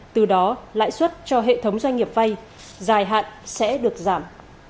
từ đó lãi xuất cho hệ thống doanh nghiệp vay giải hạn sẽ được giảm